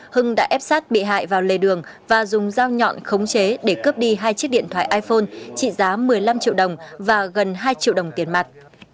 hưng đã ép sát bị hại vào lề đường và dùng dao nhọn khống chế để cướp đi hai chiếc điện thoại iphone trị giá một mươi năm triệu đồng và gần hai triệu đồng tiền mặt